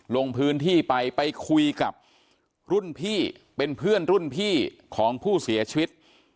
ลงพื้นที่ไปไปคุยกับรุ่นพี่เป็นเพื่อนรุ่นพี่ของผู้เสียชีวิต